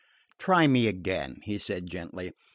"Try me again," he said gently.